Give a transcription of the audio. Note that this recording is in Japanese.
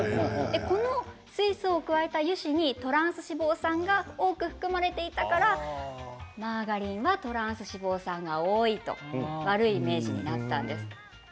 この水素を加えた油脂にトランス脂肪酸が多く含まれていたからマーガリンはトランス脂肪酸が多いという悪いイメージになったんです。